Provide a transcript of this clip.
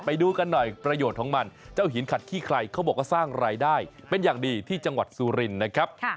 ไปดูกันหน่อยประโยชน์ของมันเจ้าหินขัดขี้ใครเขาบอกว่าสร้างรายได้เป็นอย่างดีที่จังหวัดสุรินนะครับ